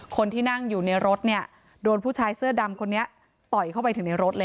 คนที่นั่งอยู่ในรถเนี่ยโดนผู้ชายเสื้อดำคนนี้ต่อยเข้าไปถึงในรถเลย